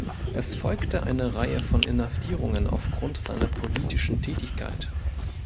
Es folgte eine Reihe von Inhaftierungen aufgrund seiner politischen Tätigkeit.